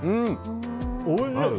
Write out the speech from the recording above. おいしい！